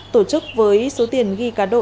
tổ chức với số tiền ghi cá độ